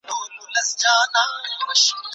دا زما هیله ده.